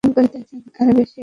আর বেশি কী চাই?